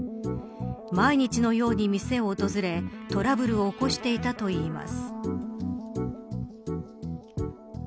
毎日のように店を訪れトラブルを起こしていたといいます。